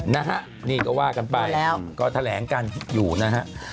นะฮะนี่ก็ว่ากันไปแล้วก็แถลงกันอยู่นะฮะ